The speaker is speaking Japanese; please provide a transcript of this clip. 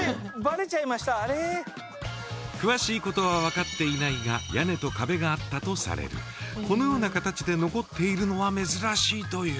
あれ詳しいことはわかっていないが屋根と壁があったとされるこのような形で残っているのは珍しいという